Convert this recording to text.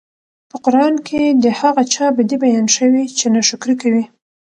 په قران کي د هغه چا بدي بيان شوي چې ناشکري کوي